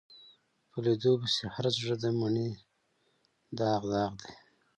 په لیدو پسې هر زړه منې داغ داغ دی